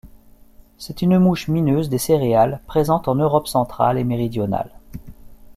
C'est une mouche mineuse des céréales présente en Europe centrale et méridionale.